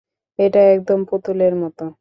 এটা একদম পুতুলের মতো।